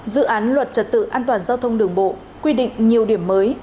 dự án luật trật tự an toàn giao thông đường bộ quy định nhiều điểm mới